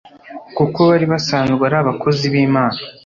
Kuko bari basanzwe ari abakozi b’Imana